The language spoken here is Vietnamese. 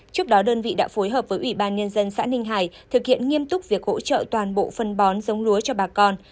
trước đó đơn vị đã phối hợp với ủy ban nhân dân xã ninh hải thực hiện nghiêm túc việc hỗ trợ toàn bộ phân bón giống lúa cho bà con